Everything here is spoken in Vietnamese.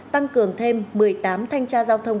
tăng cường thêm một mươi tám thanh tra giao thông